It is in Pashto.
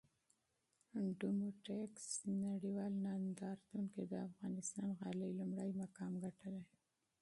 ډوموټکس نړېوال نندارتون کې د افغانستان غالۍ لومړی مقام ګټلی!